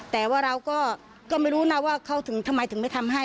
แต่ว่าเราก็ไม่รู้นะว่าเขาถึงทำไมถึงไม่ทำให้